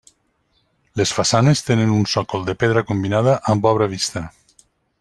Les façanes tenen un sòcol de pedra combinada amb obra vista.